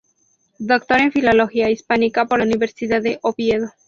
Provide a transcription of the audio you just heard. Doctor en Filología Hispánica por la Universidad de Oviedo.